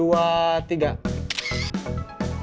nice ganti kayaknya